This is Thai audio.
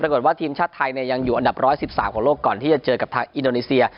ปรากฏว่าทีมชาติไทยยังอยู่อันดับ๑๑๓ของโลกก่อนที่จะเจอกับทางอินโดนีเซีย